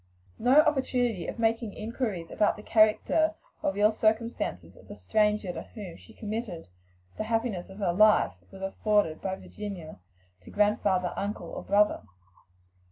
No opportunity of making inquiries about the character or real circumstances of the stranger to whom she committed the happiness of her life, was afforded by Virginia to grandfather, uncle or brothers.